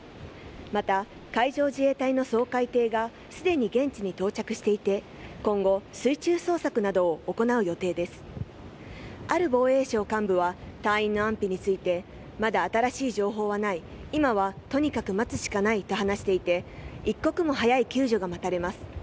また海上自衛隊の掃海艇が既に現地に到着していて今後、水中捜索などを行う予定ですある防衛省幹部は隊員の安否について、まだ新しい情報はない、今はとにかく待つしかないと話していて、一刻も早い救助が待たれます。